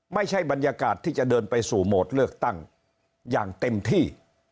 ไม่ใช่บรรยากาศที่จะเดินไปสู่โหมดเลือกตั้งอย่างเต็มที่